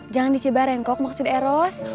jangan dicibah rengkok maksud eros